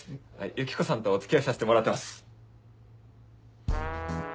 ユキコさんとお付き合いさせてもらってます。